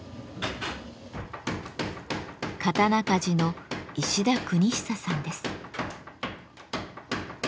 刀鍛冶の石田國壽さんです。